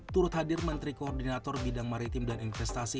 turut hadir menteri koordinator bidang maritim dan investasi